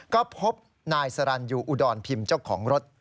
ก็พบนายสรรยูอุดรพิมพ์เจ้าของรถ